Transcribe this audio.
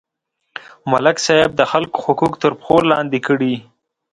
ملک صاحب د خلکو حقوق تر پښو لاندې کړي.